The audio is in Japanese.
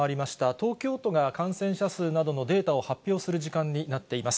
東京都が感染者数などのデータを発表する時間になっています。